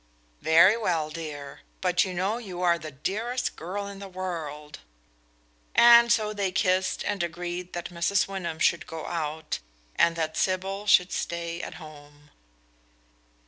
"Very well, dear. But you know you are the dearest girl in the world." And so they kissed, and agreed that Mrs. Wyndham should go out, and that Sybil should stay at home.